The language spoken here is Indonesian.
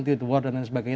butuh dan sebagainya